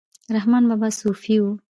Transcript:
رحمان بابا صوفي و